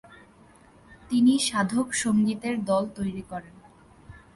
তিনি সাধক সঙ্গীতের দল তৈরী করেন।